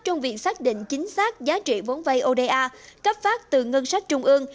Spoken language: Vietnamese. trong việc xác định chính xác giá trị vốn vay oda cấp phát từ ngân sách trung ương